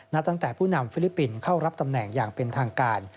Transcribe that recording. ตั้งแต่ผู้นำฟิลิปปินส์เข้ารับตำแหน่งอย่างเป็นทางการ